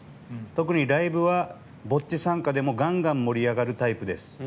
特にライブは、ぼっち参加でもがんがん盛り上がるタイプです。